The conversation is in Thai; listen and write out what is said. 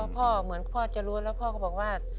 เหมือนพ่อจะรู้แล้วพ่อก็บอกว่า